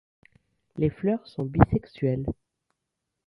Les fleurs sont bisexuelles.